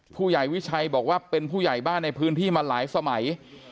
ผู้ใหญ่วิชัยบอกว่าเป็นผู้ใหญ่บ้านในพื้นที่มาหลายสมัย